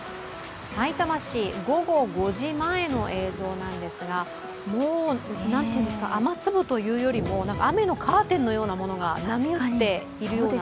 さいたま市、午後５時前の映像なんですが、もう、雨粒というよりも雨のカーテンのようなものが波打っているような。